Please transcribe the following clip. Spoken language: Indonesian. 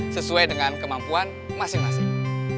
sesuai dengan kemampuan masing masing